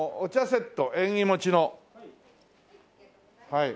はい。